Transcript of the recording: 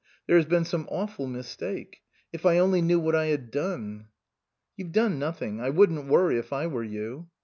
There has been some awful mistake. If I only knew what I had done !" 285 SUPERSEDED " You've done nothing. I wouldn't worry if I were you."